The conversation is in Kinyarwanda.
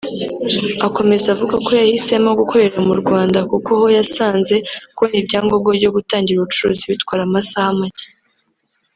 Akomeza avuga ko yahisemo gukorera mu Rwanda kuko ho yasanze kubona ibyangombwa byo gutangira ubucuruzi bitwara amasaha make